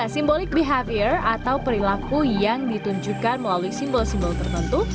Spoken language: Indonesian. simbolik behavior atau perilaku yang ditunjukkan melalui simbol simbol tertentu